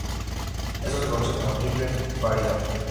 Esto se conoce como "triple paridad".